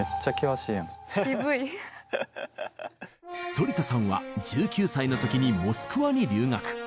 反田さんは１９歳の時にモスクワに留学。